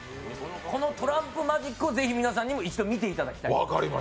このトランプマジックを是非、皆さんにも一度見ていただきたい。